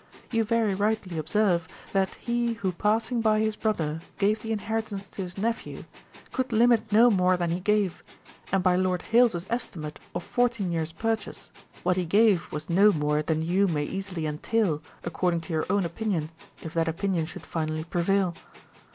You very rightly observe, that he who passing by his brother gave the inheritance to his nephew, could limit no more than he gave; and by Lord Hailes's estimate of fourteen years' purchase, what he gave was no more than you may easily entail according to your own opinion, if that opinion should finally prevail.